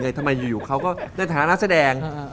หรืออย่างไงทำไมอยู่เขาก็ในฐานะตั้งแสดง